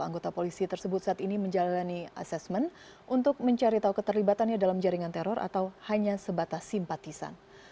anggota polisi tersebut saat ini menjalani asesmen untuk mencari tahu keterlibatannya dalam jaringan teror atau hanya sebatas simpatisan